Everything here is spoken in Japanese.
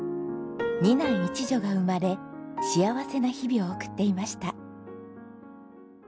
２男１女が生まれ幸せな日々を送っていました。